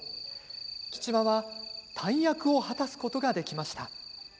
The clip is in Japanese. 吉間は大役を果たすことができました。